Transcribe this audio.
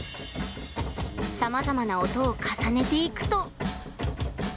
さまざまな音を重ねていくと。